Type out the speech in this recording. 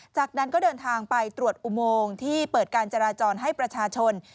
จากนั้นก็เดินทางไปตรวจอุโมงที่เปิดการจราจรให้ประชาชน